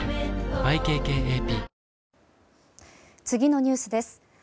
次のニュースです。